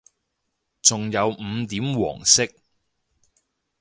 仲有五點黃色